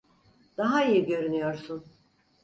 Daha iyi görünüyorsun.